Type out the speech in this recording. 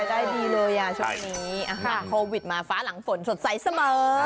ได้ดีเลยช่วงนี้อาหารโควิดมาฟ้าหลังฝนสดใสเสมอ